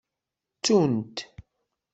Ttunt.